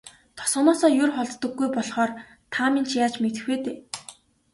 Тосгоноосоо ер холддоггүй болохоор та минь ч яаж мэдэх вэ дээ.